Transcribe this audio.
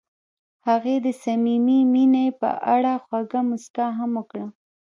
هغې د صمیمي مینه په اړه خوږه موسکا هم وکړه.